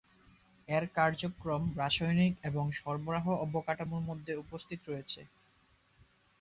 এর কার্যক্রম রাসায়নিক এবং সরবরাহ অবকাঠামো মধ্যে উপস্থিত রয়েছে।